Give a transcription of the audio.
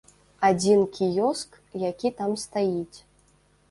Адзін кіёск, які там стаіць.